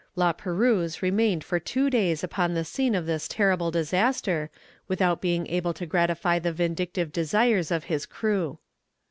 La Perouse remained for two days upon the scene of this terrible disaster, without being able to gratify the vindictive desires of his crew.